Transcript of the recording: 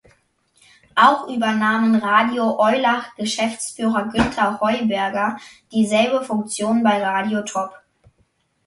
Auch übernahm Radio Eulach-Geschäftsführer Günter Heuberger dieselbe Funktion bei Radio Top.